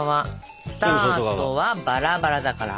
スタートはバラバラだから。